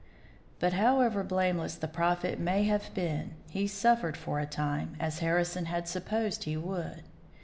But however blameless the Prophet may have been, he suffered for a time, as Harrison had supposed he would.